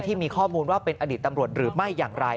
ที่มีข้อมูลว่าเป็นอดีตตำรวจหรือไม่อย่างไร